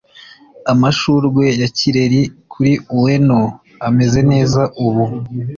amashurwe ya kireri kuri ueno ameze neza ubu